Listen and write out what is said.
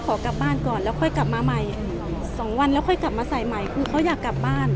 ขอกลับบ้านก่อนแล้วค่อยกลับมาใหม่สองวันแล้วค่อยกลับมาใส่ใหม่คือเขาอยากกลับบ้าน